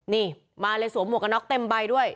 นี่มาเลยสวมหวกกระน็อกเต็มใบด้วย